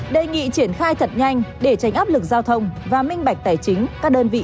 đề nghị triển khai thật nhanh để tránh áp lực giao thông và minh bạch tài chính các đơn vị